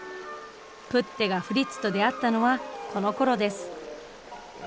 プッテがフリッツと出会ったのはこのころです。